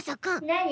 なに？